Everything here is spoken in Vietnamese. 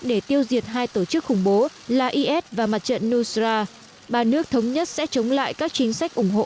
để tiêu diệt hai tổ chức khủng bố là is và mặt trận nusra ba nước thống nhất sẽ chống lại các chính sách ủng hộ